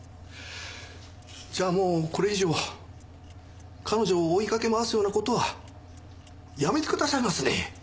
じゃあもうこれ以上彼女を追いかけ回すような事はやめてくださいますね？